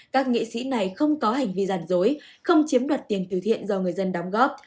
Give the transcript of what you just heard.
các nghệ sĩ này không có hành vi giả dối không chiếm đoạt tiền từ thiện do người dân đóng góp